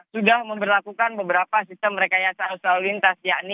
sudah memperlakukan beberapa sistem rekayasa arus lalu lintas